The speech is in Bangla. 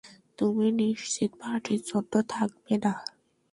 তুমি নিশ্চিত পার্টির জন্য থাকবে না?